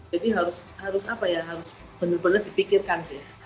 jadi harus benar benar dipikirkan sih